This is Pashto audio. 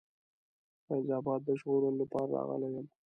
فیض آباد د ژغورلو لپاره راغلی یم.